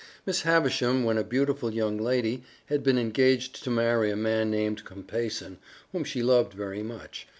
Miss Havisham, when a beautiful young lady, had been engaged to marry a man named Compeyson, whom she loved very much.